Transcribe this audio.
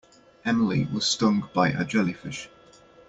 Emily was stung by a jellyfish.